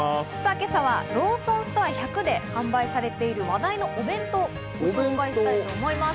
今朝はローソンストア１００で販売されている話題のお弁当をご紹介したいと思います。